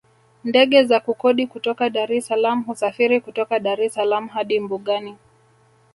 Ndege za kukodi kutoka Dar es salaam husafiri kutoka Dar es Salaam hadi mbugani